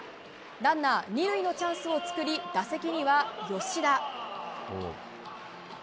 ランナー２塁のチャンスを作り打席には吉田。